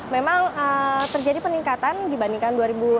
memang terjadi peningkatan dibandingkan dua ribu delapan belas